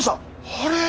あれ？